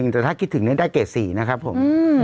แต่ถ้าคิดถึงได้เกรด๔นะครับผม